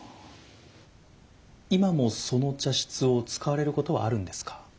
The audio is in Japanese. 今もその茶室を使われることはあるんですか？